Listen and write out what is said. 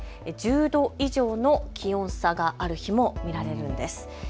１０度以上の気温差がある日も見られるんです。